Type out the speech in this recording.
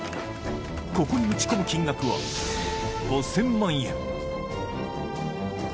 ここに打ち込む金額は５０００万円